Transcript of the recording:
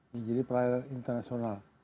menjadi prioritas internasional